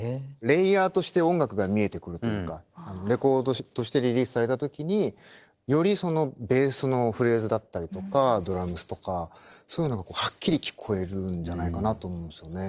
レイヤーとして音楽が見えてくるというかレコードとしてリリースされた時によりそのベースのフレーズだったりとかドラムスとかそういうのがはっきり聞こえるんじゃないかなと思うんですよね。